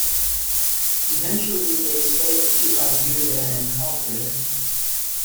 Eventually, they sail to Iberia and conquer it.